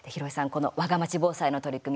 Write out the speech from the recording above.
この、わがまち防災の取り組み